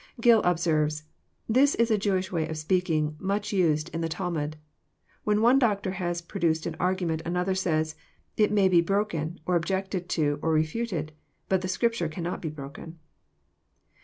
Gill observes :'< This is a Jewish way of speaking, much used in the Talmud. When one doctor has produced an argu ment, another says, * It may be broken,* or objected to, or re ftated. But the Scripture cannot be broken."